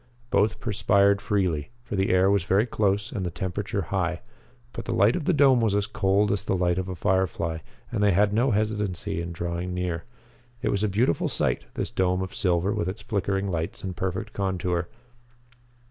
Both perspired freely, for the air was very close and the temperature high. But the light of the dome was as cold as the light of a firefly and they had no hesitancy in drawing near. It was a beautiful sight, this dome of silver with its flickering lights and perfect contour.